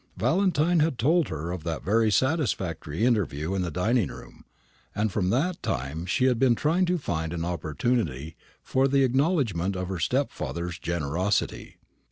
Valentine had told her of that very satisfactory interview in the dining room, and from that time she had been trying to find an opportunity for the acknowledgment of her stepfather's generosity.